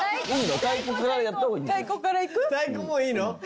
いいの？